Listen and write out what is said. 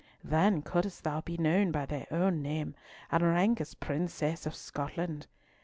"Then couldst thou be known by thine own name, and rank as Princess of Scotland.